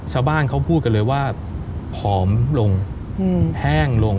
ชาวบ้านเขาพูดกันเลยว่าผอมลงแห้งลง